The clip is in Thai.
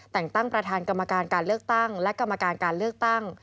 แต่งตั้งประธานกรรมการการเลือกตั้งและกรรมการการเลือกตั้ง